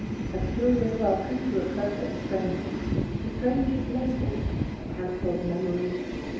A CURIOUS WELCOME TO A PERFECT STRANGER. THE STRANGER'S LABEL. A CANCELLED MEMORY.